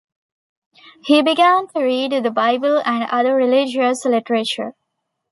He began to read the Bible and other religious literature.